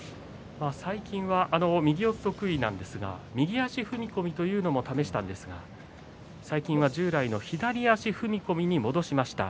最近は右四つが得意なんですが右足踏み込みというのを試したんですが最近は従来の左足の踏み込みに戻しました。